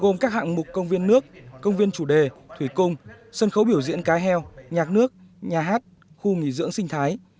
gồm các hạng mục công viên nước công viên chủ đề thủy cung sân khấu biểu diễn cá heo nhạc nước nhà hát khu nghỉ dưỡng sinh thái